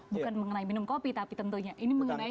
bukan mengenai minum kopi tapi tentunya ini mengenai